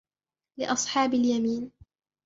لِّأَصْحَابِ الْيَمِينِ